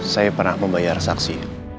saya pernah membayar saksi